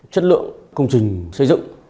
chất lượng công trình xây dựng